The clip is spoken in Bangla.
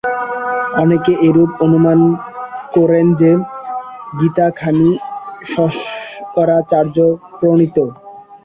অনেকে এইরূপ অনুমান করেন যে, গীতাখানি শঙ্করাচার্য-প্রণীত।